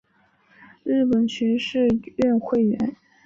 日本学士院会员。